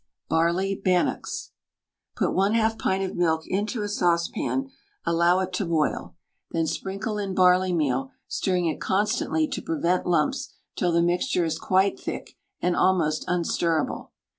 BARLEY BANNOCKS. Put 1/2 pint of milk into a saucepan allow it to boil; then sprinkle in barley meal, stirring it constantly to prevent lumps till the mixture is quite thick and almost unstirrable.